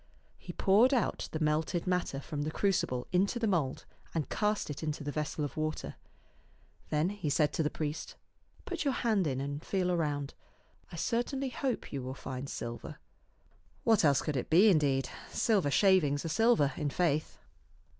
He poured out the melted matter from the crucible into the mould and cast it into the vessel of water. Then he said to the priest, " Put your hand in and feel around. I certainly hope you will find silver." What else could it be, indeed ? Silver sL ivings are silver, in faith.